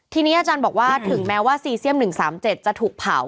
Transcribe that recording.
ทีนี้อาจารย์บอกว่าถึงแม้ว่าซีเซียม๑๓๗จะถูกเผา